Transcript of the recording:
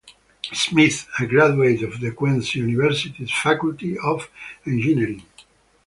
Smith, a graduate of the Queen's University's Faculty of Engineering.